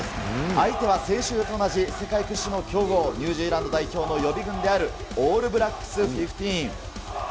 相手は先週と同じ世界屈指の強豪、ニュージーランド代表の予備軍であるオールブラックス・フィフティーン。